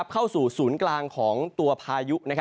เข้าสู่ศูนย์กลางของตัวพายุ